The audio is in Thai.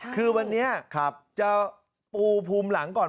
คือวันนี้จะปูภูมิหลังก่อน